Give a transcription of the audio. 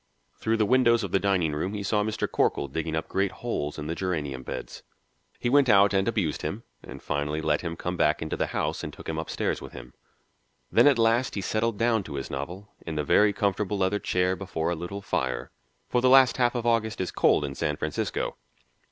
Through the windows of the dining room he saw Mr. Corkle digging up great holes in the geranium beds. He went out and abused him and finally let him come back into the house and took him upstairs with him. Then at last he settled down to his novel, in the very comfortable leather chair, before a little fire, for the last half of August is cold in San Francisco.